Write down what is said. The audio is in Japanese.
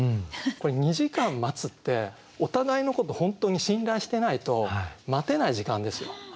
これ２時間待つってお互いのことを本当に信頼してないと待てない時間ですよ。